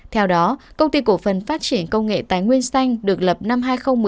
theo đó công ty cổ phần phát triển công nghệ tài nguyên xanh được lập năm hai nghìn một mươi